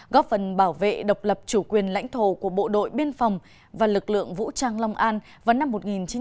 góp phần bảo vệ độc lập chủ quyền lãnh thổ của bộ đội biên phòng và lực lượng vũ trang long an vào năm một nghìn chín trăm bảy mươi năm